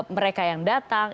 mereka yang datang